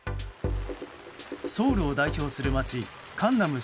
ソウルを代表する街カンナム